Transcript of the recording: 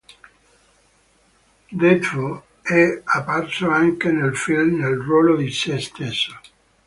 Redfoo è apparso anche nel film nel ruolo di sé stesso.